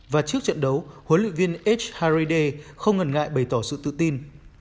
và trước trận đấu huấn luyện viên ess haride không ngần ngại bày tỏ sự tự tin